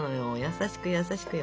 優しく優しくよ。